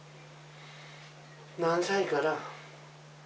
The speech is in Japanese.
何歳かな。